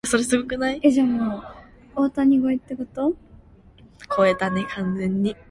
그때 발가락에 개미 한 마리가 오르고 내리는 것이 보였다.